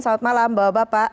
selamat malam bapak bapak